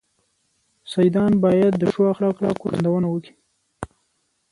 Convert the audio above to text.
سيدان بايد د ښو اخلاقو څرګندونه وکي.